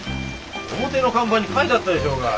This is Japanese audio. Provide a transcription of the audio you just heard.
表の看板に書いてあったでしょうが。